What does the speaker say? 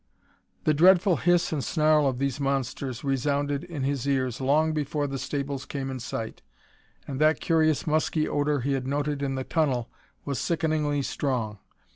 The dreadful hiss and snarl of these monsters resounded in his ears long before the stables came in sight, and that curious musky odor he had noted in the tunnel was sickeningly strong.